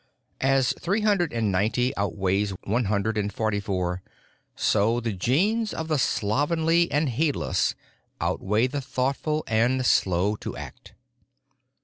As three hundred and ninety outweighs one hundred and forty four, so the genes of the slovenly and heedless outweigh the thoughtful and slow to act.